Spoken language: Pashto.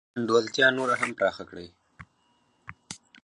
نا انډولتیا نوره هم پراخه کړه.